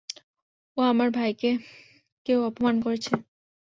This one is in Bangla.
ও আমার ভাইকেও অপমান করেছে!